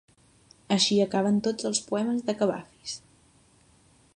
Així acaben tots els poemes de Cavafis.